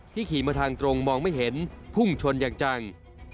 ขี่มาทางตรงมองไม่เห็นพุ่งชนอย่างจัง